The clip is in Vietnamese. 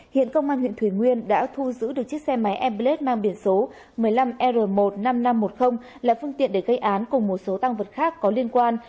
hiện công an huyện thủy nguyên đã thu giữ được chiếc xe máy em blade mang biển số một mươi năm r một mươi năm nghìn năm trăm một mươi là phương tiện để gây án cùng một số tăng vật khác có liên quan